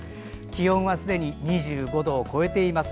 気温はすでに２５度を超えています。